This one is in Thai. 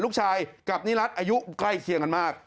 ลูกชายกับนิรัติอายุใกล้เคียงกันมาก